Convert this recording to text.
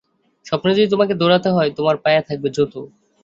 স্বপ্নে যদি তোমাকে দৌড়াতেও হয়-তোমার পায়ে থাকবে জুতো!